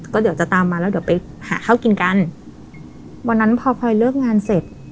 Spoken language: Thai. ก็เดี๋ยวจะตามมาแล้วเดี๋ยวไปหาข้าวกินกันวันนั้นพอพลอยเลิกงานเสร็จ